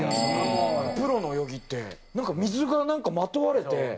プロの泳ぎって水がなんかまとわれて。